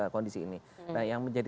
kondisi ini nah yang menjadi